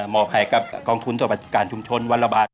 ให้กับกองทุนสวัสดิการชุมชนวันละบาท